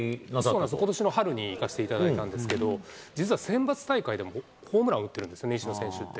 そうなんです、ことしの春に行かせていただいたんですけど、実はセンバツ大会でもホームラン打ってるんですよね、石野選手って。